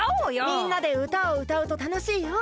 みんなでうたをうたうとたのしいよ！